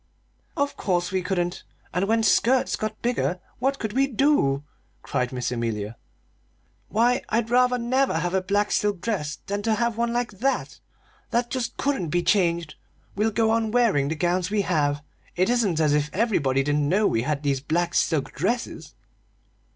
"Of course we couldn't! And when skirts got bigger, what could we do?" cried Miss Amelia. "Why, I'd rather never have a black silk dress than to have one like that that just couldn't be changed! We'll go on wearing the gowns we have. It isn't as if everybody didn't know we had these black silk dresses!"